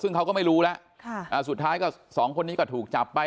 ซึ่งเขาก็ไม่รู้แล้วสุดท้ายก็สองคนนี้ก็ถูกจับไป